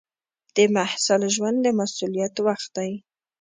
د محصل ژوند د مسؤلیت وخت دی.